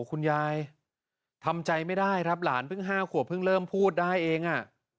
คุณยายทำใจไม่ได้ครับหลานเพิ่ง๕ขวบเพิ่งเริ่มพูดได้เอง